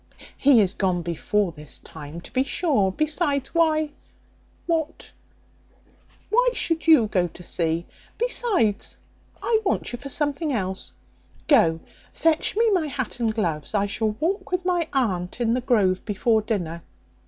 He is gone before this time, to be sure. Besides, why what why should you go to see? besides, I want you for something else. Go, fetch me my hat and gloves. I shall walk with my aunt in the grove before dinner."